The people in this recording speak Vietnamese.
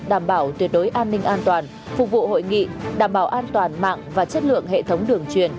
đảm bảo tuyệt đối an ninh an toàn phục vụ hội nghị đảm bảo an toàn mạng và chất lượng hệ thống đường truyền